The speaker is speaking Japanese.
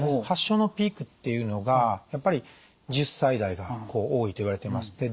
発症のピークっていうのがやっぱり１０歳代が多いといわれています。